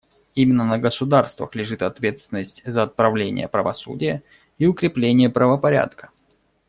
Именно на государствах лежит ответственность за отправление правосудия и укрепление правопорядка.